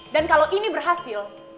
dan kalau ini berhasil